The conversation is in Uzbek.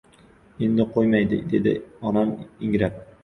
— Endi qo‘ymaydi, — dedi onam ingrab.